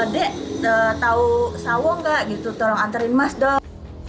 dek tau sawo gak gitu tolong anterin mas dong